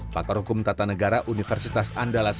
pakar hukum tata negara universitas andalas